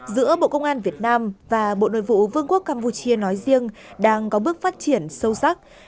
giữa bộ công an việt nam và bộ nội vụ vương quốc campuchia nói riêng đang có bước phát triển sâu sắc